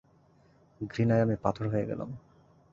ঘৃণায় আমি পাথর হয়ে গেলাম।